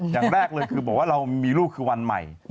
อย่างแรกเลยคือบอกว่าเรามีลูกคือวันใหม่